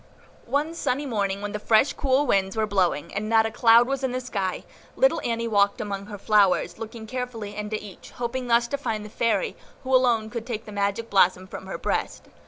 One sunny morning, when the fresh, cool Winds were blowing, and not a cloud was in the sky, little Annie walked among her flowers, looking carefully into each, hoping thus to find the Fairy, who alone could take the magic blossom from her breast.